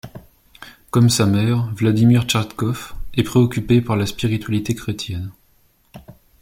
Comme sa mère, Vladimir Tchertkov est préoccupé par la spiritualité chrétienne.